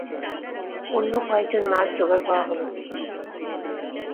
অন্য কয়েকজন নার্স জোগাড় করা হল।